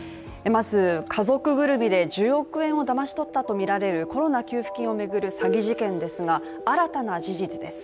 まず、家族ぐるみで１０億円をだまし取ったとみられるコロナ給付金を巡る詐欺事件ですが、新たな事実です。